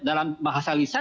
dalam bahasa lisan